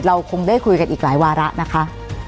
เราคงได้คุยกันอีกหลายวาระนะคะ